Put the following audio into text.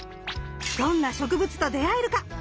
どんな植物と出会えるか？